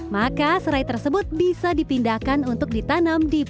maka serai tersebut bisa dipindahkan untuk ditanam di pantai